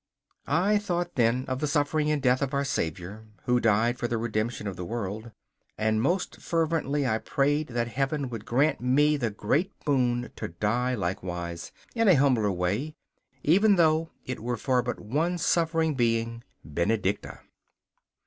I thought then of the suffering and death of our Saviour, who died for the redemption of the world, and most fervently I prayed that Heaven would grant me the great boon to die likewise, in a humbler way, even though it were for but one suffering being Benedicta.